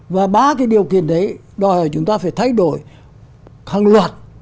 và ba cái điều kiện đấy đòi hỏi chúng ta phải thay đổi hàng loạt